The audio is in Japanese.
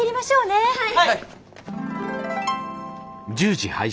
はい！